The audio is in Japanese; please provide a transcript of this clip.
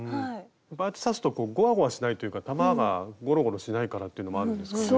やっぱああやって刺すとこうゴワゴワしないというか玉がゴロゴロしないからっていうのもあるんですかね？